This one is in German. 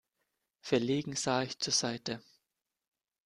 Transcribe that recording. Verlegen sah sie zur Seite.